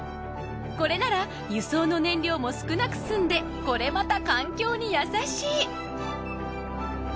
これなら輸送の燃料も少なく済んでこれまた環境にやさしい！